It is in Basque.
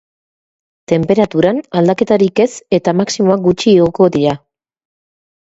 Tenperaturan, aldaketarik ez eta maximoak gutxi igoko dira.